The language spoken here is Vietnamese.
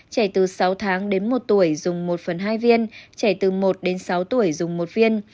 trẻ từ sáu tháng đến một tuổi dùng một phần hai viên trẻ từ một đến sáu tuổi dùng một viên